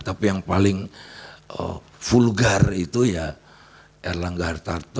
tapi yang paling vulgar itu ya erlangga hartarto